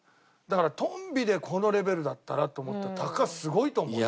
だからトンビでこのレベルだったらと思ったら鷹すごいと思う。